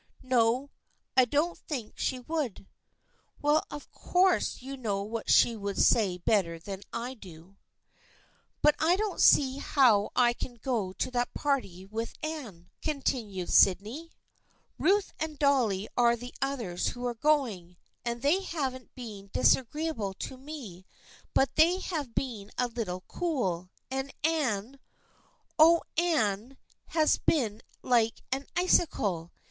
" No, I don't think she would." " Well, of course you know what she would say better than I do." THE FRIENDSHIP OF ANNE 117 " But I don't see how I can go to that party with Anne/' continued Sydney. " Ruth and Dolly are the others who are going, and they haven't been disagreeable to me, but they have been a little cool, and Anne — oh, Anne has been like an icicle